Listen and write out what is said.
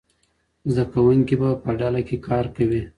زده کوونکي به په ډله کي کار کوي.